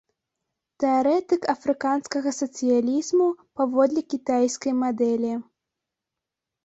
Тэарэтык афрыканскага сацыялізму паводле кітайскай мадэлі.